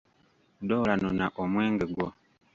Dorah nona omwenge gwo!